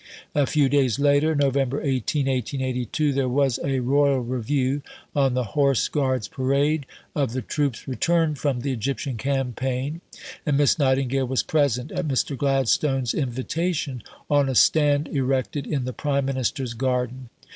A few days later (Nov. 18, 1882) there was a Royal Review, on the Horse Guards Parade, of the troops returned from the Egyptian campaign, and Miss Nightingale was present, at Mr. Gladstone's invitation, on a stand erected in the Prime Minister's garden.